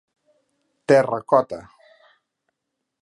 Terracota.